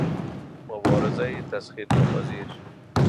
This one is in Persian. مبارزهٔ تسخیر ناپذیر